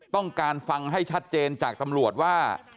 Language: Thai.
ต้องการฟังให้ชัดเจนจากตำรวจว่า